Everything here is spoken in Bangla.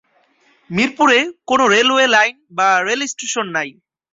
মিরপুরে কোন রেলওয়ে লাইন বা রেলস্টেশন নাই।